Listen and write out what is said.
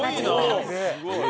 すごいな！